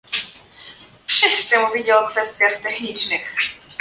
Wszyscy mówili o kwestiach technicznych